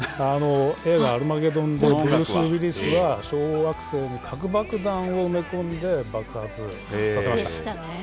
映画、アルマゲドンで、ブルース・ウィリスは小惑星に核爆弾を埋め込んで、爆発させましそうでしたね。